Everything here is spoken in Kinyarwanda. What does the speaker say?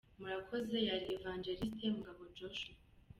Murakoze, yari Ev Evangelist Mugabo Joshua.